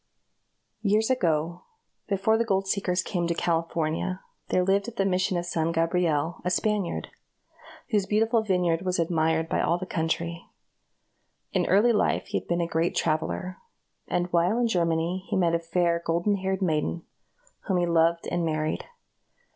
A CALIFORNIA STORY. Years ago, before the gold seekers came to California, there lived at the Mission of San Gabriel, a Spaniard, whose beautiful vineyard was admired by all the country. In early life he had been a great traveler, and while in Germany, he met a fair golden haired maiden, whom he loved and married.